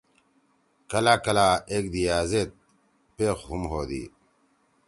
کلہ کلہ أیک دی یا زیت پیخ ہوم ہودی